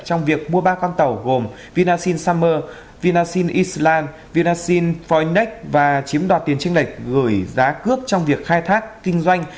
trong việc mua ba con tàu gồm vinasin summer vinasin island vinasin phoenix và chiếm đoạt tiền tranh lệch gửi giá cướp trong việc khai thác kinh doanh